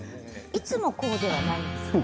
いつもこうではないんですね。